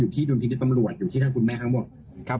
อยู่ที่หลงปริศนากรรมนานและทางคุณแม่ทั้งหมด